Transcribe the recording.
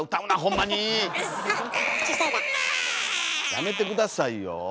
やめて下さいよ。